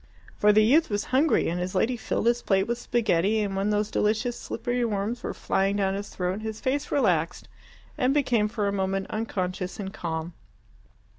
For the youth was hungry, and his lady filled his plate with spaghetti, and when those delicious slippery worms were flying down his throat, his face relaxed and became for a moment unconscious and calm.